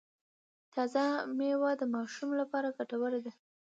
تازه میوه د ماشوم لپاره ګټوره ده۔